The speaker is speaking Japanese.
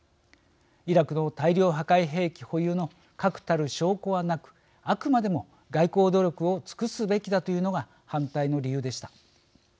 イラクの大量破壊兵器保有の確たる証拠はなく、あくまでも外交努力を尽くすべきだというのが反対の理由でした。